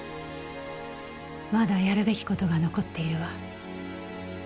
まだやるべき事が残っているわ。